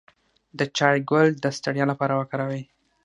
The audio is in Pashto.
د چای ګل د ستړیا لپاره وکاروئ